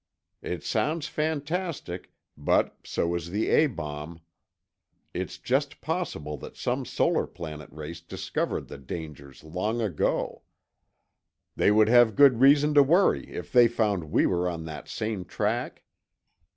It sounds fantastic, but so is the A bomb. It's just possible that some solar planet race discovered the dangers long ago. They would have good reason to worry if they found we were on that same track.